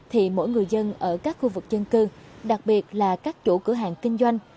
thì mỗi người dân ở các khu vực dân cư đặc biệt là các chủ cửa hàng kinh doanh